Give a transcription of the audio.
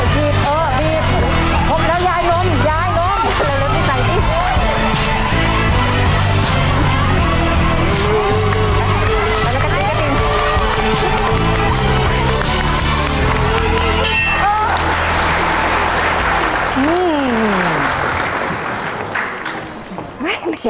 ไปแล้วกันสิ